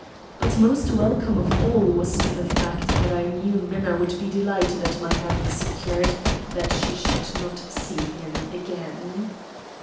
But most welcome of all was the fact that I knew Minna would be delighted at my having secured that she should not see him again.